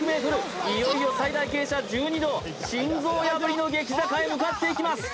いよいよ最大傾斜１２度心臓破りの激坂へ向かっていきます